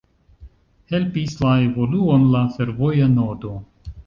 Helpis la evoluon la fervoja nodo.